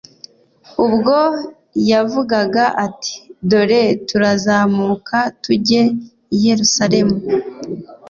ubwo yavugaga ati : "Dore turazamuka tujye i Yerusalemu,